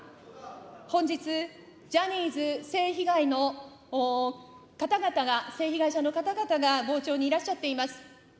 本日、ジャニーズ性被害の方々が、性被害者の方々が傍聴にいらっしゃっています。